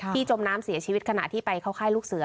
จมน้ำเสียชีวิตขณะที่ไปเข้าค่ายลูกเสือ